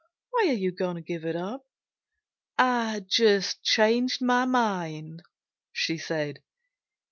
Why are you going to give it up?" "I just changed my mind," she said.